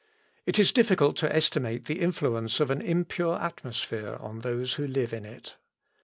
It is difficult to estimate the influence of an impure atmosphere on those who live in it.